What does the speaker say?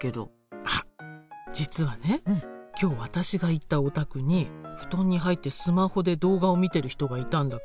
あっ実はね今日私が行ったお宅に布団に入ってスマホで動画を見てる人がいたんだけど